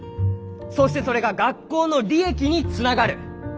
そしてそれが学校の利益につながる。